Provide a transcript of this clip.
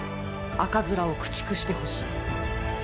赤面を駆逐してほしい！